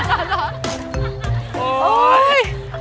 ไป